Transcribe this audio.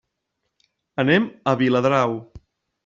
Anem a Viladrau.